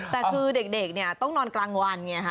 แต่คือเด็กเนี่ยต้องนอนกลางวันไงฮะ